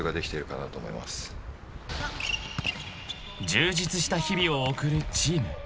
［充実した日々を送るチーム］